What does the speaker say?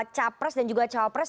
capres dan juga cawapres